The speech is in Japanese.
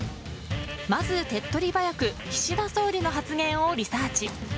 まず手っ取り早く岸田総理の発言をリサーチ。